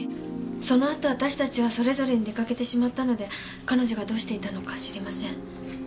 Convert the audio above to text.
そのあと私たちはそれぞれに出かけてしまったので彼女がどうしていたのか知りません。